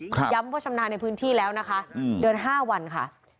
ย้ำว่าชำนาญในพื้นที่แล้วนะคะเดือน๕วันค่ะ